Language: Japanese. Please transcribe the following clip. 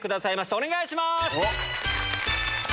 お願いします！